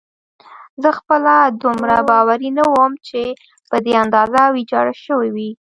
زه خپله دومره باوري نه وم چې په دې اندازه ویجاړه شوې وي.